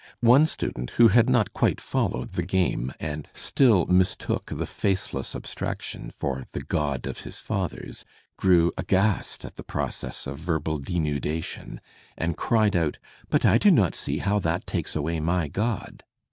One student, who had not quite followed the game and still mistook the faceless abstraction for the god of his fathers, grew aghast at the process of verbal denudation and cried out, "But I do not see how that takes away my Grod."